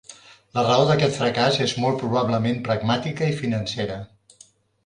La raó d'aquest fracàs és molt probablement pragmàtica i financera.